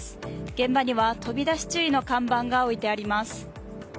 現場には飛び出し注意の看板が置いてあります。